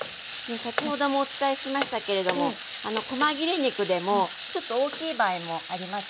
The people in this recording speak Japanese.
先ほどもお伝えしましたけれどもこま切れ肉でもちょっと大きい場合もありますよね。